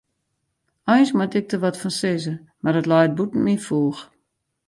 Eins moat ik der wat fan sizze, mar it leit bûten myn foech.